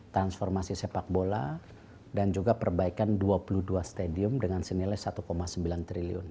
transformasi sepak bola dan juga perbaikan dua puluh dua stadium dengan senilai satu sembilan triliun